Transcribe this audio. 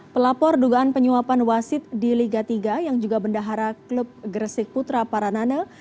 pelapor dugaan penyuapan wasit di liga tiga yang juga bendahara klub gresik putra paranane